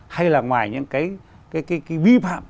hay là ngoài những cái vi phạm